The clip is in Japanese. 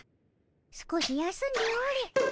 少し休んでおれ。